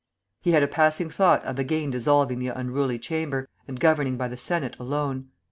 He had a passing thought of again dissolving the unruly Chamber, and governing by the Senate alone.